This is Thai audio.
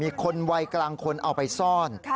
มีคนวัยกลางคนเอาไปซ่อน